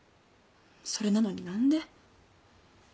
それなのに何で。